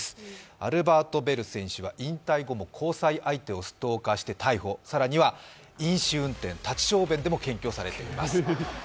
アルバート・ベル選手は引退後も交際相手をストーカーして逮捕、更には飲酒運転、立ち小便でも検挙されています。